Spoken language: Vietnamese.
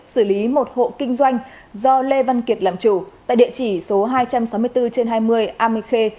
xử lý một hộ kinh doanh do lê văn kiệt làm chủ tại địa chỉ số hai trăm sáu mươi bốn trên hai mươi amikhe